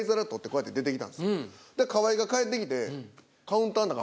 河井が帰ってきて。